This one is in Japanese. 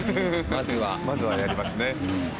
まずはやりますね。